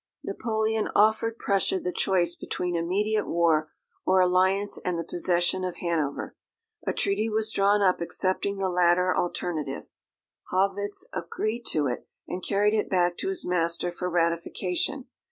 Napoleon offered Prussia the choice between immediate war, or alliance and the possession of Hanover. A treaty was drawn up accepting the latter alternative; Haugwitz agreed to it, and carried it back to his master for ratification.